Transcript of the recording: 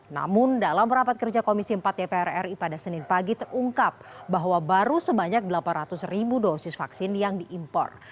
namun dalam rapat kerja komisi empat dpr ri pada senin pagi terungkap bahwa baru sebanyak delapan ratus ribu dosis vaksin yang diimpor